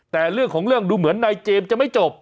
แต่เรื่องของเรื่องดูเหมือนนายเจมส์จะไม่จบ